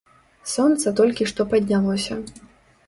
Сонца толькі што паднялося.